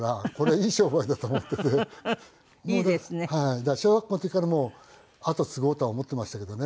だから小学校の時からもう後を継ごうとは思っていましたけどね。